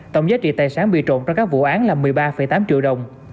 tổng giá trị tài sản bị trộm trong các vụ án là một mươi ba tám triệu đồng